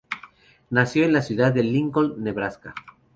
Nació en la ciudad de Lincoln, Nebraska.